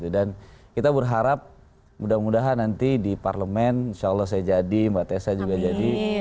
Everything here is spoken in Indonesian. dan kita berharap mudah mudahan nanti di parlemen insya allah saya jadi mbak tessa juga jadi